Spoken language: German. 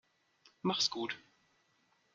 Mach's gut.